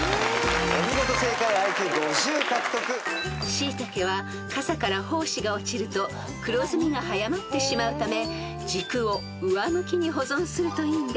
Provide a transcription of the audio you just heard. ［シイタケはかさから胞子が落ちると黒ずみが早まってしまうため軸を上向きに保存するといいんです］